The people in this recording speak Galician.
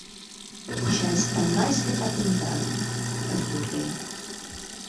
Xa está máis que patentado −retruquei−.